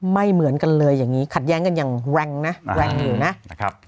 ไม่เหมือนกันเลยอย่างนี้ขัดแย้งกันอย่างแรงนะแรงอยู่นะครับ